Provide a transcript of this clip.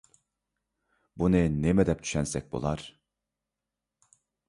بۇنى نېمە دەپ چۈشەنسەك بولار؟